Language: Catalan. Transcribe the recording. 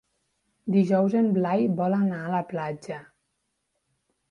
Dijous en Blai vol anar a la platja.